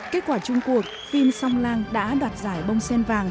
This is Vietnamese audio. kết quả chung cuộc phim song lang đã đoạt giải bông sen vàng